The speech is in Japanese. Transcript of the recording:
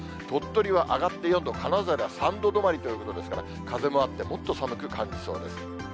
鳥取は上がって４度、金沢では３度止まりということですから、風もあって、もっと寒く感じそうです。